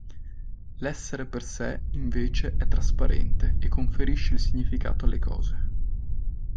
L'essere per se invece è trasparente e conferisce il significato alle cose.